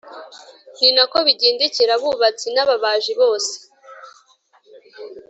Ni na ko bigendekera abubatsi n’ababaji bose,